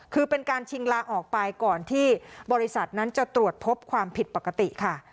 คือเป็นการชิงลาออกไปก่อนที่บริษัทนั้นจะตรวจพบความผิดปกติค่ะ